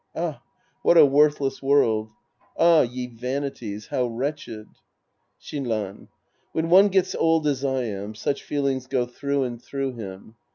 Ah ! What a worth less world ! Ah, ye vanities ! How wretched ! Shinran. When one gets old as I am, such feelings go through and through him.